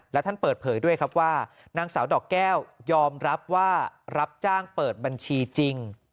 และท่านเปิดเผยด้วยครับว่านางสาวดอกแก้วยอมรับว่ารับจ้างเปิดบัญชีจริง